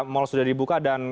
mal sudah dibuka dan